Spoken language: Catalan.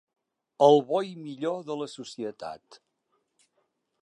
El bo i millor de la societat.